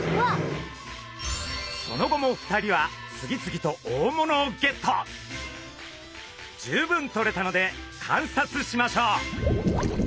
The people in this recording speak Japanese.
その後も２人は次々と十分とれたので観察しましょう！